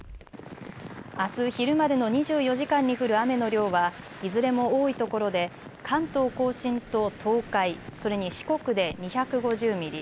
あす昼までの２４時間に降る雨の量はいずれも多い所で関東甲信と東海それに四国で２５０ミリ